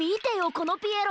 このピエロ！